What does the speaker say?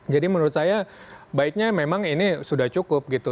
jadi menurut saya baiknya memang ini sudah cukup gitu